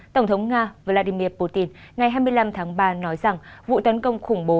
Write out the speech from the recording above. tổng thống nga vladimir putin ngày hai mươi năm tháng ba nói rằng vụ tấn công khủng bố